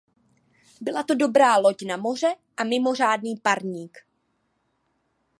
Byla to dobrá loď na moře a mimořádný parník.